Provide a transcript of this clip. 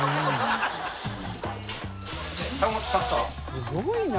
すごいな。